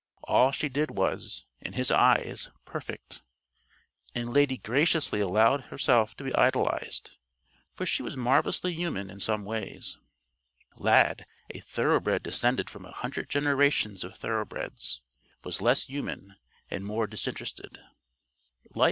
All she did was, in his eyes, perfect. And Lady graciously allowed herself to be idolized, for she was marvelously human in some ways. Lad, a thoroughbred descended from a hundred generations of thoroughbreds, was less human and more disinterested.